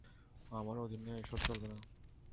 আমার অধীনে এসব চলবে না।